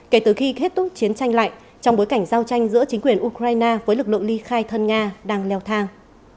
kể từ khi kết thúc chiến tranh lạnh trong bối cảnh giao tranh giữa chính quyền ukraine với lực lượng ly khai thân nga đang leo thang